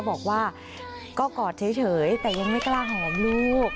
บอกว่าก็กอดเฉยแต่ยังไม่กล้าหอมลูก